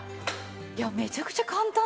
いやめちゃくちゃ簡単ですね。